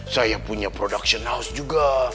saya punya production house juga